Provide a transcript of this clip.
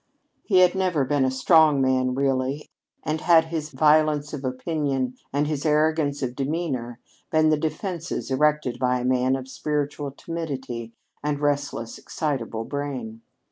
Had he never been a strong man, really, and had his violence of opinion and his arrogance of demeanor been the defences erected by a man of spiritual timidity and restless, excitable brain?